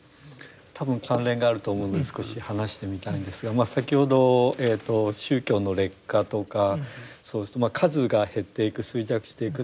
多分関連があると思うので少し話してみたいんですが先ほどえと宗教の劣化とかそうするとまあ数が減っていく衰弱していく。